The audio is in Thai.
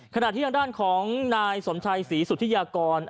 ขณะที่ทางด้านของนายสมชัยศรีสุธิยากร